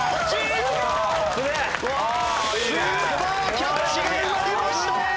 スーパーキャッチが生まれましたね。